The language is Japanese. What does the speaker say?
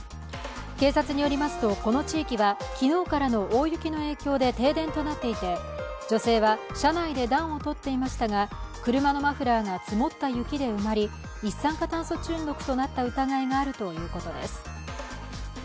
警察によりますと、この地域は昨日からの大雪の影響で停電となっていて女性は車内で暖を取っていましたが、車のマフラーが積もった雪で埋まり、一酸化中毒になった疑いがあるということです。